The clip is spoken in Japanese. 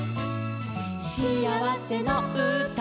「しあわせのうた」